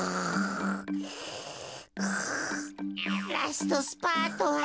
ラストスパートは。